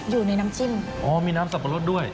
อยู่ในน้ำจิ้มอ๋อมีน้ำสับปะรดด้วย